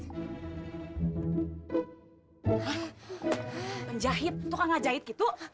hah penjahit tukang gak jahit gitu